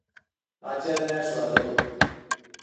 ما تیره میاشت واده اوکړ